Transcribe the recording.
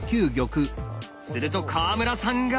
すると川村さんが。